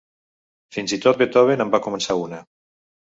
Fins i tot Beethoven en va començar una.